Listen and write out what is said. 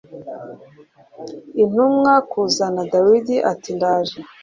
intumwa kuzana dawidi ati ndaje